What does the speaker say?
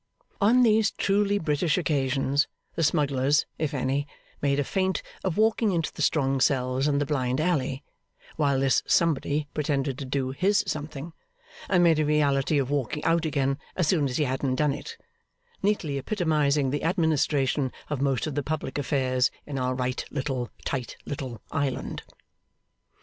On these truly British occasions, the smugglers, if any, made a feint of walking into the strong cells and the blind alley, while this somebody pretended to do his something: and made a reality of walking out again as soon as he hadn't done it neatly epitomising the administration of most of the public affairs in our right little, tight little, island.